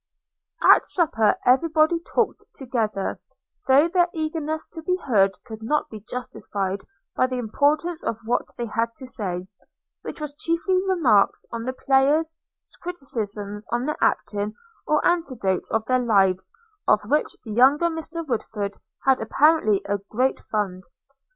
At supper every body talked together; though their eagerness to be heard could not be justified by the importance of what they had to say, which was chiefly remarks on the players, criticism on their acting, or anecdotes of their lives, of which the younger Mr Woodford had apparently a great fund.